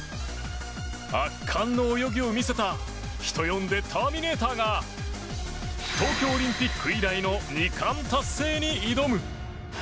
圧巻の泳ぎを見せた人呼んでターミネーターが東京オリンピック以来の２冠達成に挑む。